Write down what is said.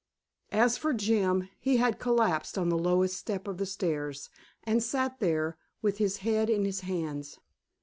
As for Jim, he had collapsed on the lowest step of the stairs, and sat there with his head in his hands.